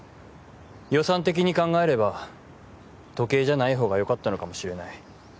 予算的に考えれば時計じゃない方がよかったのかもしれない。